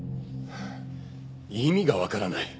意味がわからない。